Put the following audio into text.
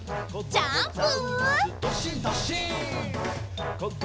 ジャンプ！